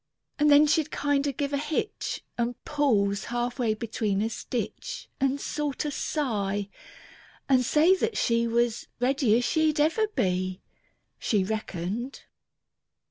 And then she'd kinder give a hitch, And pause half way between a stitch. And sorter sigh, and say that she Was ready as she'd ever be. She reckoned.